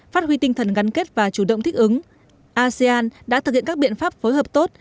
phát huy tinh thần gắn kết và chủ động thích ứng asean đã thực hiện các biện pháp phối hợp tốt